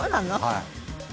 はい。